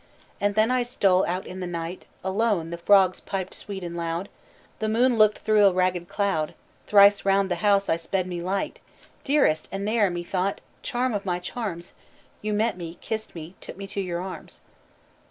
"And then I stole out in the night Alone; the frogs piped sweet and loud, The moon looked through a ragged cloud. Thrice round the house I sped me light, Dearest; and there, methought charm of my charms! You met me, kissed me, took me to your arms!"